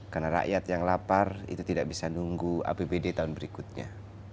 karena rakyat yang lapar itu tidak bisa nunggu apbd tahun berikutnya